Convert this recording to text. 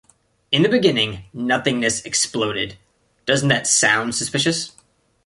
In the beginning, nothingness exploded. Doesn't that sound suspicious?